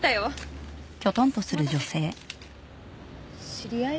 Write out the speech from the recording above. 知り合い？